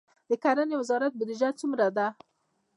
د کرنې وزارت بودیجه څومره ده؟